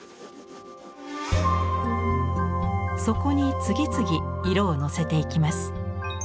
そこに次々色をのせていきます。